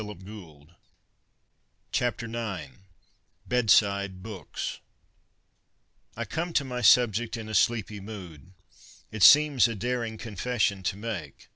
IX BEDSIDE BOOKS IX BEDSIDE BOOKS I come to my subject in a sleepy mood. It seems a daring confession to make.